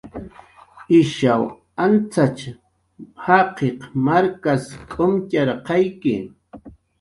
Ishaw antzatx jaqiq markas k'umtxarqayki